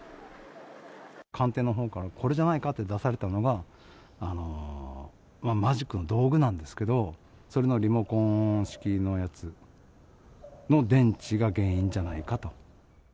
鑑定のほうから、これじゃないかって出されたのが、マジックの道具なんですけど、それのリモコン式のやつの電池が原因じゃないかと。